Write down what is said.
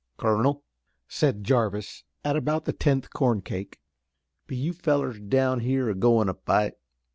"Colonel," said Jarvis, at about the tenth corn cake, "be you fellers down here a goin' to fight?"